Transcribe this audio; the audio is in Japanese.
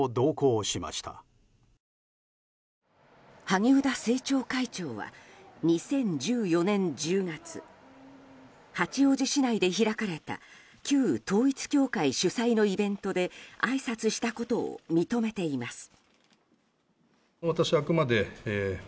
萩生田政調会長は２０１４年１０月八王子市内で開かれた旧統一教会主催のイベントであいさつしたことを認めています。